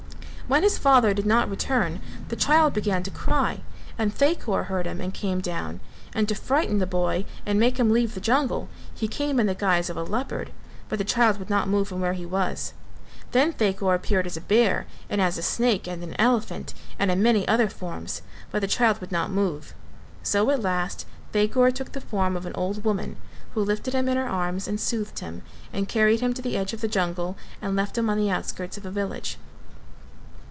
When his father did not return, the child began to cry, and Thakur heard him and came down, and to frighten the boy and make him leave the jungle he came in the guise of a leopard; but the child would not move from where he was; then Thakur appeared as a bear, and as a snake and an elephant and in many other forms but the child would not move; so at last Thakur took the form of an old woman, who lifted him in her arms and soothed him and carried him to the edge of the jungle and left him on the outskirts of a village.